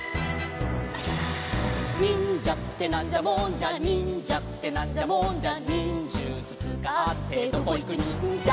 「にんじゃってなんじゃもんじゃ」「にんじゃってなんじゃもんじゃ」「にんじゅつつかってどこいくにんじゃ」